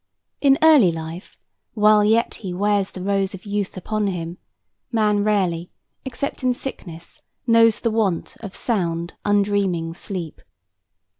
In early life, while yet he "wears the rose of youth upon him," man rarely, except in sickness, knows the want of sound, undreaming sleep.